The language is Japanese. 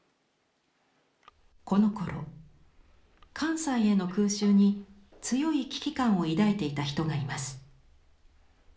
このころ関西への空襲に強い危機感を抱いていた人がいます。